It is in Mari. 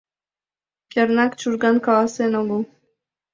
Кернак, Чужган каласен огыл.